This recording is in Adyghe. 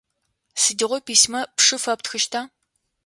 Сыдигъо письмэ пшы фэптхыщта?